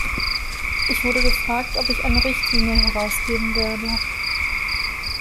Ich wurde gefragt, ob ich eine Richtlinie herausgeben werde.